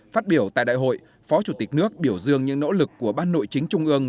phát biểu tại đại hội phó chủ tịch nước biểu dương những nỗ lực của ban nội chính trung ương